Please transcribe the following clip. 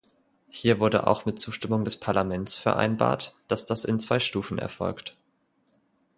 Hier wurde auch mit Zustimmung des Parlaments vereinbart, dass das in zwei Stufen erfolgt.